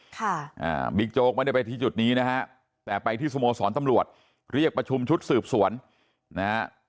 ค่ะอ่าบิ๊กโจ๊กไม่ได้ไปที่จุดนี้นะฮะแต่ไปที่สโมสรตำรวจเรียกประชุมชุดสืบสวนนะฮะ